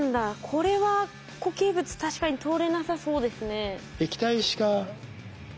これは固形物確かに通れなさそうですね。